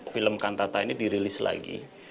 film kantata ini dirilis lagi